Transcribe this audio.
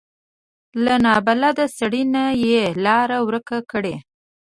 له نابلده سړي نه یې لاره ورکه کړي.